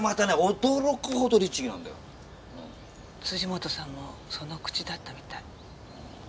辻本さんもそのクチだったみたい。